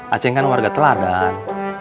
acing kan warga teladan